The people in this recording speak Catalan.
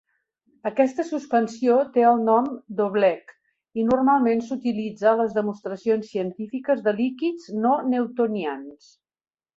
Aquesta suspensió té el nom d"oobleck i normalment s"utilitza a les demostracions científiques de líquids no newtonians.